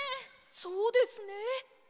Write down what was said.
そうですね。